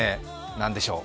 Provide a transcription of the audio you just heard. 何でしょう？